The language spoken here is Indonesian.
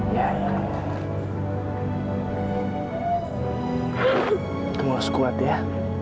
kau mau sekuat ya